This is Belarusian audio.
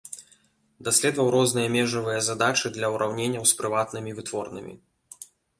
Даследаваў розныя межавыя задачы для ўраўненняў з прыватнымі вытворнымі.